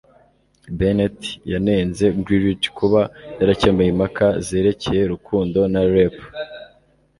Bennett yanenze Gingrich kuba yarakemuye impaka zerekeye Rukundo na Rep